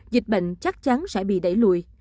dịch bệnh chắc chắn sẽ bị đẩy lùi